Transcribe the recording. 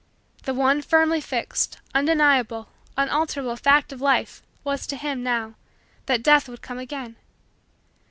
The one firmly fixed, undeniable, unalterable, fact in Life was, to him, now, that Death would come again.